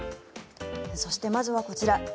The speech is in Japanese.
そして、まずはこちら。